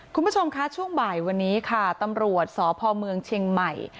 คุณผู้ชมคะช่วงบ่ายวันนี้ค่ะตำรวจสพเมืองเชียงใหม่